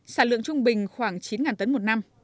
sản lượng trung bình khoảng chín tấn một năm